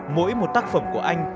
mỗi một tác phẩm của anh